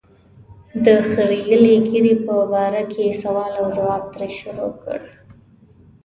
د خرییلې ږیرې په باره کې سوال او ځواب ترې شروع کړ.